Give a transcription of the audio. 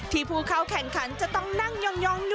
ที่ผู้เข้าแข่งขันจะต้องนั่งยองอยู่ในกระสอบ